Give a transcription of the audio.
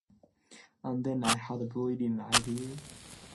And then I had a brilliant idea.